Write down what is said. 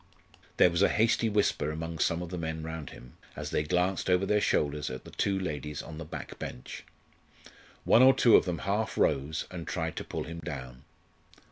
There was a hasty whisper among some of the men round him, as they glanced over their shoulders at the two ladies on the back bench. One or two of them half rose, and tried to pull him down.